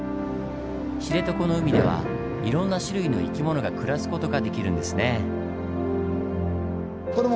知床の海ではいろんな種類の生き物が暮らす事ができるんですねぇ。